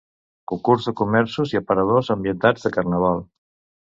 Concurs de comerços i aparadors ambientats de Carnaval.